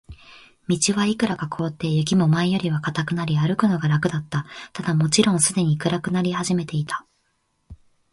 道はいくらか凍って、雪も前よりは固くなり、歩くのが楽だった。ただ、もちろんすでに暗くなり始めていた。